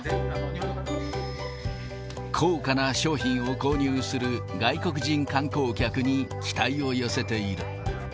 高価な商品を購入する外国人観光客に期待を寄せている。